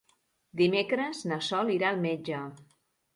Dimecres na Sol irà al metge.